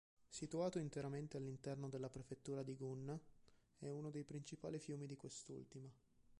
Situato interamente all'interno della Prefettura di Gunma, è uno dei principali fiumi di quest'ultima.